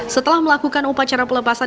setelah melakukan upacara pelepasan